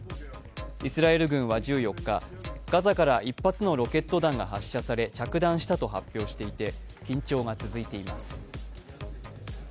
イスラエル軍は１４日、ガザから１発のロケット弾が発射され着弾したと発表していて緊張が続いています。